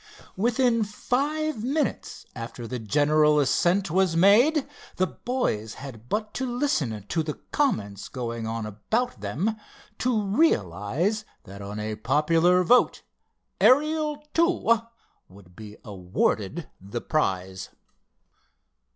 Within five minutes after the general ascent was made the boys had but to listen to the comments going on about them, to realize that on a popular vote Ariel II would be awarded the prize.